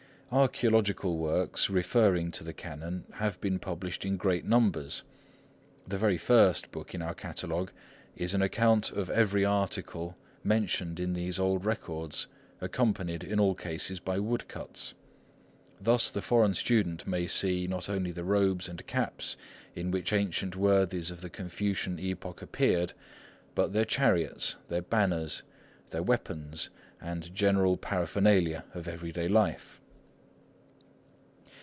Archæological works referring to the Canon have been published in great numbers. The very first book in our Catalogue is an account of every article mentioned in these old records, accompanied in all cases by woodcuts. Thus the foreign student may see not only the robes and caps in which ancient worthies of the Confucian epoch appeared, but their chariots, their banners, their weapons, and general paraphernalia of everyday life.